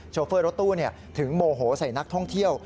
โฟเฟอร์รถตู้ถึงโมโหใส่นักท่องเที่ยว